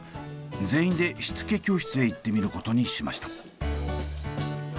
全員でしつけ教室へ行ってみることにしました。